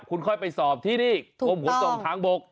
คุณค่อยไปสอบที่นี่กรมขนส่งทางบก